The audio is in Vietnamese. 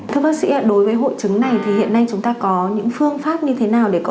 thưa bác sĩ đối với hội chứng này thì hiện nay chúng ta có những phương pháp như thế nào để có